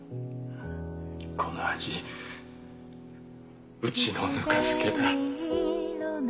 この味うちのぬか漬けだ。